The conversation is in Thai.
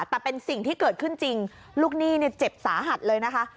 แต่เป็นสิ่งที่เกิดขึ้นจริงลูกหนี้เนี่ยเจ็บสาหัสเลยนะคะ